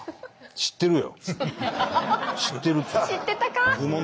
知ってるわ！